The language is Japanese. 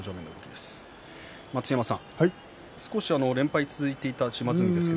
少し連敗が続いていた島津海ですが。